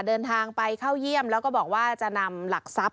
เดินทางไปเข้าเยี่ยมแล้วก็บอกว่าจะนำหลักทรัพย